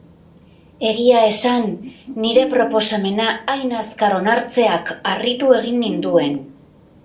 Egia esan, nire proposamena hain azkar onartzeak harritu egin ninduen.